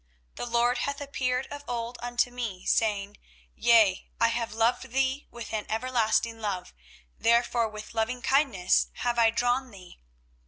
24:031:003 The LORD hath appeared of old unto me, saying, Yea, I have loved thee with an everlasting love: therefore with lovingkindness have I drawn thee.